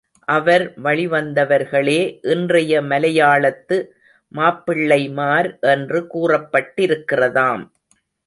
அவர் வழிவந்தவர்களே இன்றைய மலையாளத்து மாப்பிள்ளைமார் என்று கூறப்பட்டிருக்கிறதாம்.